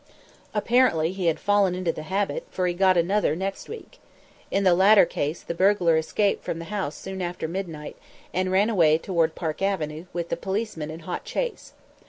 Apparently he had fallen into the habit, for he got another next week. In the latter case the burglar escaped from the house soon after midnight, and ran away toward Park Avenue, with the policeman in hot chase.